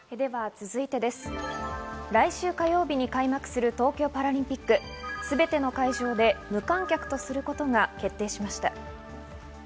来週火曜日に開幕する東京パラリンピック、全ての会場で無観客とすることが決定しました。